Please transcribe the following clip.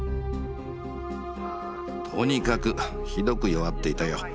とにかくひどく弱っていたよ。